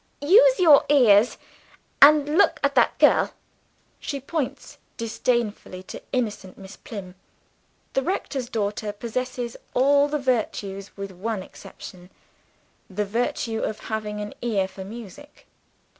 "Use your ears and look at that girl." She points disdainfully to innocent Miss Plym. The rector's daughter possesses all the virtues, with one exception the virtue of having an ear for music.